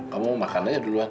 kamu makan aja duluan